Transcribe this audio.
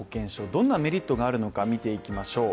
どんなメリットがあるのか見ていきましょう。